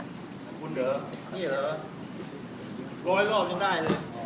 ไหนจะตอบกัน